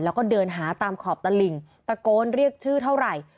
แล้วก็เดินหาตามขอบตลิ่งตะโกนเรียกชื่อเท่าไหร่